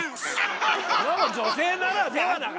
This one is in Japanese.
女性ならではだから！